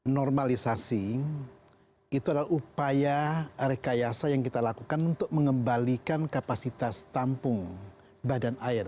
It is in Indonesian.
normalisasi itu adalah upaya rekayasa yang kita lakukan untuk mengembalikan kapasitas tampung badan air